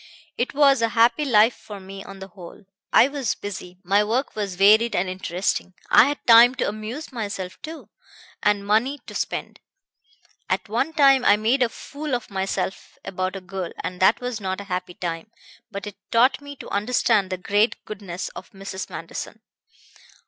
It was a happy life for me on the whole. I was busy, my work was varied and interesting. I had time to amuse myself, too, and money to spend. At one time I made a fool of myself about a girl, and that was not a happy time; but it taught me to understand the great goodness of Mrs. Manderson."